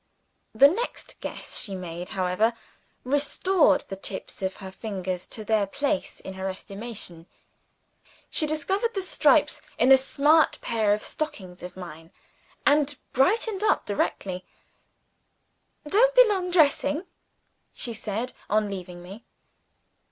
The next guess she made, however, restored the tips of her fingers to their place in her estimation: she discovered the stripes in a smart pair of stockings of mine, and brightened up directly. "Don't be long dressing," she said, on leaving me.